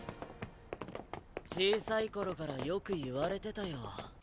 小さい頃からよく言われてたよ。